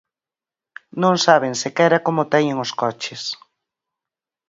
Non saben sequera como teñen os coches.